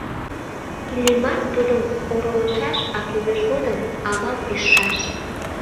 Иллимар тудым оролышаш, а кӱлеш годым — авам ӱжшаш.